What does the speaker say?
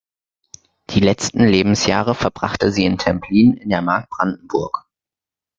Die letzten Lebensjahre verbrachte sie in Templin in der Mark Brandenburg.